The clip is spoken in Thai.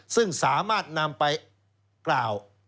ซึ่งสามารถนำไปกล่าว